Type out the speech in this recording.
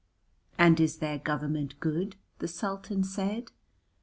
"And is their government good?" the Sultan said.